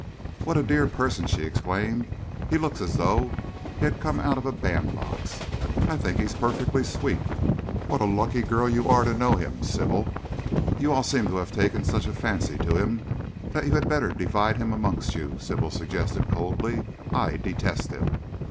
"What a dear person!" she exclaimed. "He looks as though he had come out of a bandbox. I think he is perfectly sweet. What a lucky girl you are to know him, Sybil!" "You all seem to have taken such a fancy to him that you had better divide him up amongst you," Sybil suggested coldly. "I detest him."